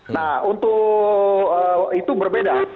nah untuk itu berbeda